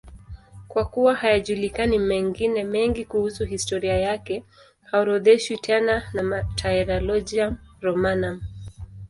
Kwa kuwa hayajulikani mengine mengi kuhusu historia yake, haorodheshwi tena na Martyrologium Romanum.